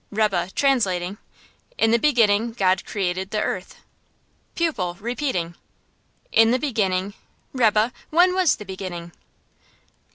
Rebbe, translating: "In the beginning God created the earth." Pupil, repeating: "In the beginning Rebbe, when was the beginning?"